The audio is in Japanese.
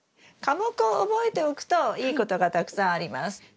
科目を覚えておくといいことがたくさんあります。